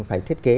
phải thiết kế